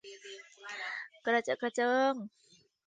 กระเจอะกระเจิง